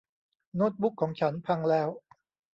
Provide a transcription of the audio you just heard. โน้ตบุ๊คของฉันพังแล้ว